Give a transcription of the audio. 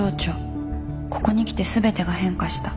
ここに来て全てが変化した。